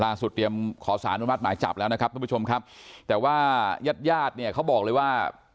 ลาสุดเตรียมขอสานบุญมาตรหมายจับแล้วนะครับทุกผู้ชมครับแต่ว่ายาดยาดเนี่ยเขาบอกเลยว่า